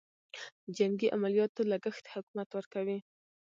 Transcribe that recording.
جنګي عملیاتو لګښت حکومت ورکوي.